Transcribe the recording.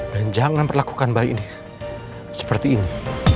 dan jangan perlakukan bayi ini seperti ini